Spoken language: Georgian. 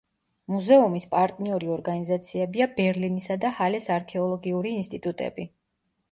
მუზეუმის პარტნიორი ორგანიზაციებია ბერლინისა და ჰალეს არქეოლოგიური ინსტიტუტები.